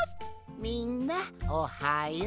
みんなおはよう。